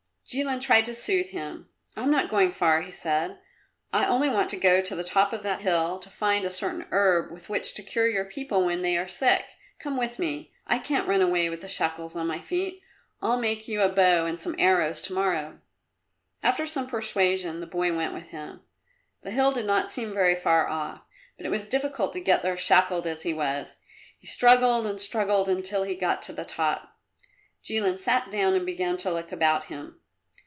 Jilin tried to soothe him. "I'm not going far," he said. "I only want to go to the top of that hill to find a certain herb with which to cure your people when they are sick. Come with me; I can't run away with the shackles on my feet. I'll make you a bow and some arrows to morrow." After some persuasion the boy went with him. The hill did not seem very far off, but it was difficult to get there shackled as he was. He struggled and struggled until he got to the top. Jilin sat down and began to look about him.